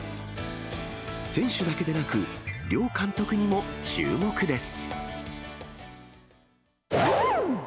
選手だけでなく、両監督にも注目です。